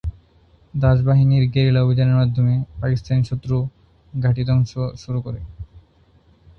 দাস বাহিনীর গেরিলা অভিযানের মাধ্যমে পাকিস্তানি শত্রু ঘাঁটি ধ্বংস শুরু করে।